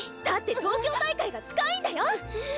だって東京大会が近いんだよ